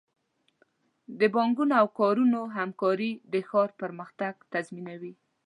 د بانکونو او کاروبارونو همکاري د ښار پرمختګ تضمینوي.